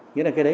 nghĩa là cái đấy